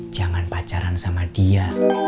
jangan pacaran sama dia